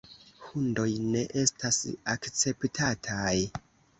Hundoj ne estas akceptataj.